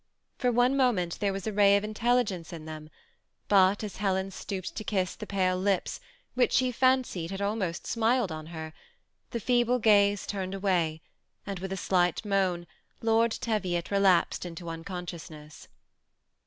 For one ent there was a ray of intelligence in them, but as ■n stooped to kiss the pale lipa which she fancied almost Bmiled on her, the feeble gaze turned away, with a slight moan Lord Teviot relapsed into un siousness.